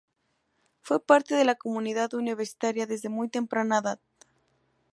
Fue parte de la comunidad universitaria desde muy temprana edad.